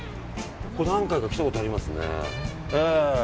何回か来たことありますね。